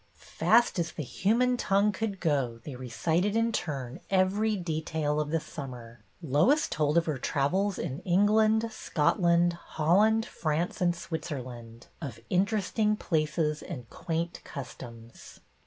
Fast as the human tongue could go, they recited in turn every detail of the summer. Lois told of her trav els in England, Scotland, Holland, France, and Switzerland, of interesting places and quaint customs.